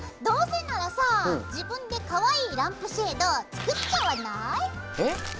どうせならさ自分でかわいいランプシェード作っちゃわない？えっ！